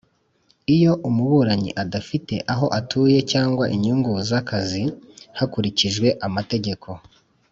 Iyo umuburanyi adafite aho atuye cyangwa inyungu z akazi hakurikijwe amategeko